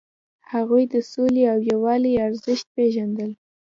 هغوی د سولې او یووالي ارزښت پیژندل.